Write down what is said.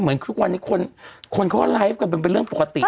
เหมือนทุกวันนี้คนเขาไลฟ์ก็เป็นเรื่องปกติ